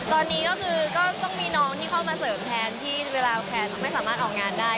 ตอนนี้ก็คือก็ต้องมีน้องที่เข้ามาเสริมแทนที่เวลาแทนไม่สามารถออกงานได้